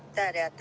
私？」